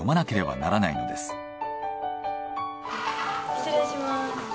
失礼します。